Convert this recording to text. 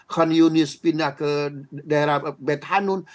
kham yunis pindah ke daerah beth hanun